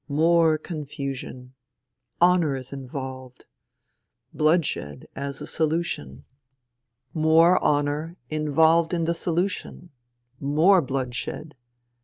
More confusion. Honour is involved. Bloodshed as a solution. More 100 FUTILITY honour involved in the solution. More bloodshed.